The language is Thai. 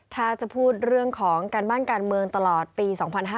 ถ้าจะพูดเรื่องของการบ้านการเมืองตลอดปี๒๕๕๙